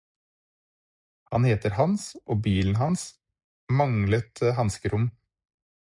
Han heter Hans og bilen hans manglet hanskerom.